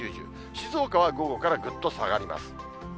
静岡は午後からぐっと下がります。